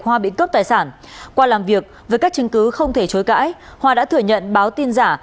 hoa bị cấp tài sản qua làm việc với các chứng cứ không thể chối cãi hoa đã thử nhận báo tin giả